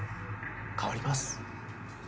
代わります。